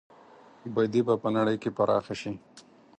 بدي به په نړۍ کې پراخه شي.